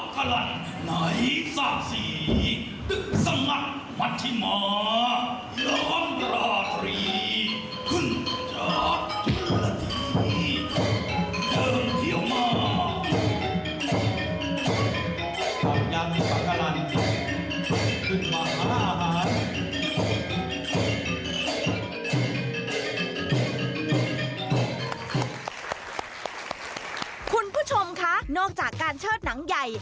คุณผู้ชมคะนอกจากการเชิดหนังใหญ่